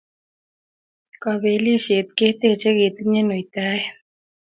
Kapelisiet keteche ketinyei nuitaet